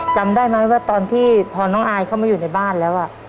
จำได้ไหมว่าตอนที่พอน้องอายเข้ามาอยู่ในบ้านแล้ว